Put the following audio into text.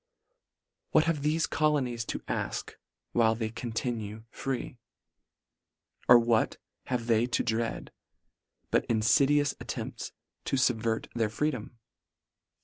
What have thefe colonies to afk, while they continue free? Or what have they to dread, but infidious attempts to fubvert their freedom